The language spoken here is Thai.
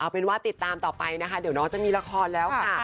เป็นว่าติดตามต่อไปนะคะเดี๋ยวน้องจะมีละครแล้วค่ะ